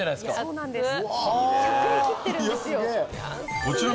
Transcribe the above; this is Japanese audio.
そうなんです。